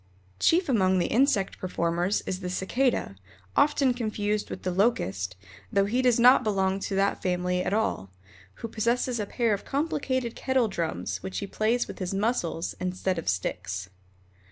Chief among the insect performers is the Cicada, often confused with the Locust, though he does not belong to that family at all, who possesses a pair of complicated kettle drums, which he plays with his muscles instead of sticks.